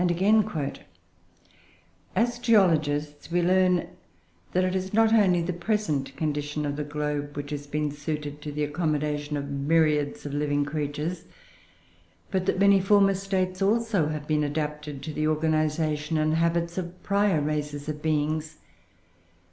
] And again, "As geologists, we learn that it is not only the present condition of the globe which has been suited to the accommodation of myriads of living creatures, but that many former states also have been adapted to the organisation and habits of prior races of beings.